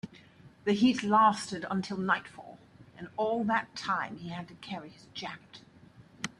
The heat lasted until nightfall, and all that time he had to carry his jacket.